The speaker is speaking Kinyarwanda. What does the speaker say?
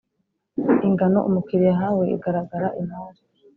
ingano umukiriya ahawe igaragara imari